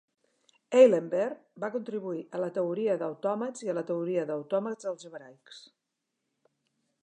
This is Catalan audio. Eilenberg va contribuir a la teoria d'autòmats i a la teoria d'autòmats algebraics.